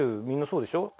みんなそうでしょ？